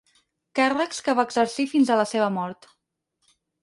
Càrrecs que va exercir fins a la seva mort.